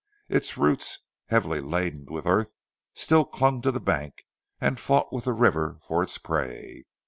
Its roots, heavily laden with earth, still clung to the bank and fought with the river for its prey.